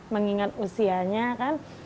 mengingat usianya kan